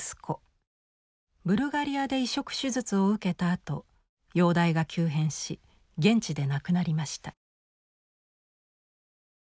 ブルガリアで移植手術を受けたあと容体が急変し現地で亡くなりました。